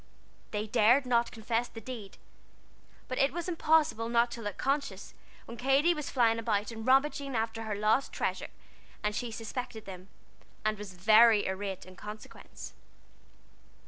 They dared not confess the deed, but it was impossible not to look conscious when Katy was flying about and rummaging after her lost treasure, and she suspected them, and was very irate in consequence.